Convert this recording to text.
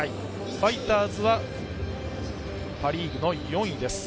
ファイターズはパ・リーグの４位です。